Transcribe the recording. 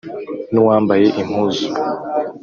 n’uwambaye impuzu